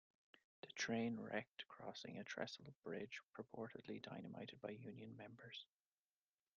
The train wrecked crossing a trestle bridge purportedly dynamited by union members.